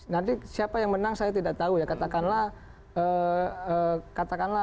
nanti siapa yang menang saya tidak tahu ya katakanlah katakanlah